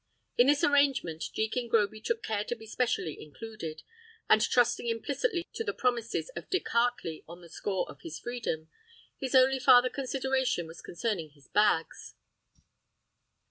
In this arrangement Jekin Groby took care to be specially included; and trusting implicitly to the promises of Dick Heartley on the score of his freedom, his only farther consideration was concerning his bags.